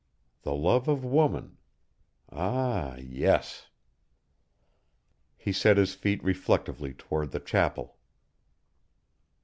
The love of woman ah yes." He set his feet reflectively toward the chapel.